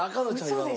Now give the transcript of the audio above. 今の。